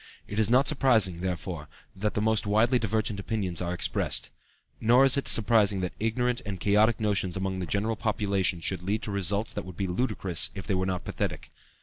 It is not surprising, therefore, that the most widely divergent opinions are expressed. Nor is it surprising that ignorant and chaotic notions among the general population should lead to results that would be ludicrous if they were not pathetic.